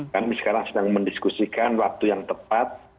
kami sekarang sedang mendiskusikan waktu yang tepat